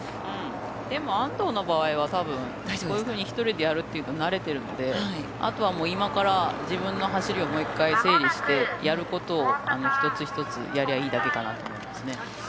でも、安藤の場合はたぶん、１人でやるっていうのは慣れてるのであとはもう今から自分の走りをもう１回整理してやることを一つ一つやりゃあいいだけだと思いますね。